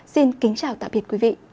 xin kính chào và tạm biệt